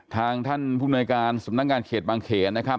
ทางท่านผู้มนวยการสำนักงานเขตบางเขนนะครับ